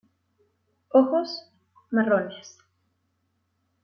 Ojos: Marrones.